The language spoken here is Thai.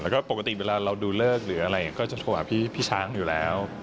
แล้วก็ปกติเวลาเราดูเลิกหรืออะไรก็จะโทรหาพี่ช้างอยู่แล้ว